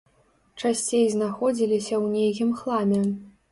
Часцей знаходзіліся ў нейкім хламе.